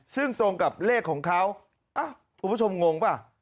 ซึ่งตรงกับเลขของเขาอ้าวผู้ชมงงหรือเปล่า